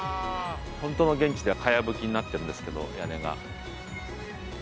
ホントの現地ではかやぶきになってるんですけど屋根が。